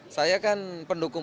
saya kan pendukung